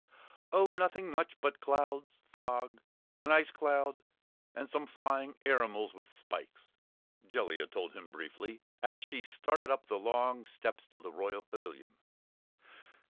"Oh, nothing much but clouds, fog, an icecloud, and some flying airimals with spikes," Jellia told him briefly, as she started up the long steps to the Royal Pavilion.